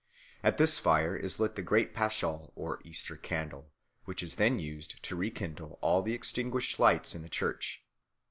At this fire is lit the great Paschal or Easter candle, which is then used to rekindle all the extinguished lights in the church.